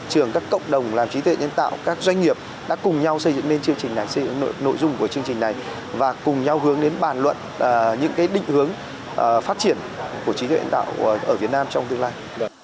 các cộng đồng làm trí tuệ nhân tạo các doanh nghiệp đã cùng nhau xây dựng nên chương trình xây dựng nội dung của chương trình này và cùng nhau hướng đến bàn luận những định hướng phát triển của trí tuệ nhân tạo ở việt nam trong tương lai